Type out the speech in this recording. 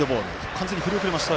完全に振り遅れました。